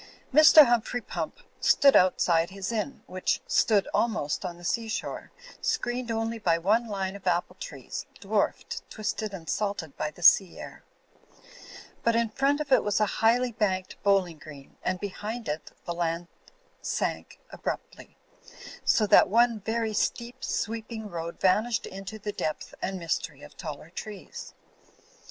Mr. Humphrey Pump stood outside his inn, which stood almost on the seashore, screened only hy^one line of apple trees, dwarfed, twisted and salted by the sea air; but in front of it was a highly banked bowling green, and behind it the land sank abruptly; so that one very steep sweeping road vanished into the depth and mystery of taller trees.